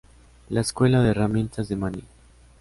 La escuela de herramientas de Manny